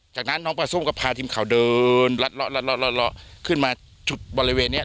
จากนั้นน้องปลาส้มก็พาทีมข่าวเดินลัดเลาะขึ้นมาจุดบริเวณนี้